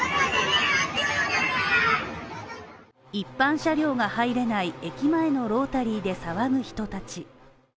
一般車両が入れない、駅前のロータリーで騒ぐ人たち。